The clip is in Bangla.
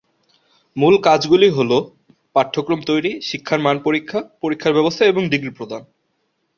মূল কাজগুলি হল: পাঠ্যক্রম তৈরি, শিক্ষার মান পরীক্ষা, পরীক্ষার ব্যবস্থা এবং ডিগ্রী প্রদান।